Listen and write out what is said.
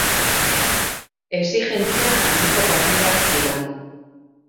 Exigentzia handiko partidak dira.